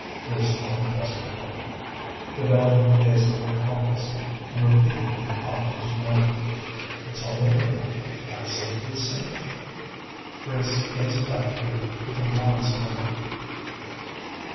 Grace told him desperately. Trevellyan gazed at her helplessly, and repeated in an obtuse manner: "It's all over now absolutely safe." Grace gazed back at him with a wan smile.